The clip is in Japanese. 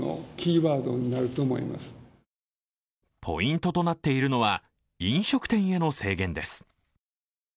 ポイントとなっているのは、飲食店への制限です。